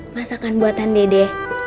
masakan buatan dede